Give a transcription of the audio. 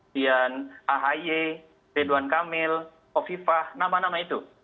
dian ahy ridwan kamil kofifah nama nama itu